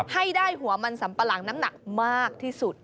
ให้ได้หัวมันสัมปะหลังน้ำหนักมากที่สุด